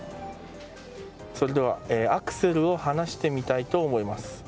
それではアクセルを離してみたいと思います。